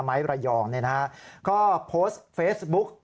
ไม้ระยองก็โพสต์เฟซบุ๊ก